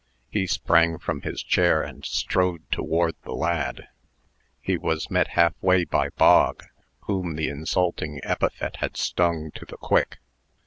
He sprang from his chair, and strode toward the lad. He was met halfway by Bog, whom the insulting epithet had stung to the quick.